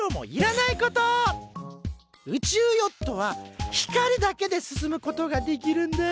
宇宙ヨットは光だけで進むことができるんだよ。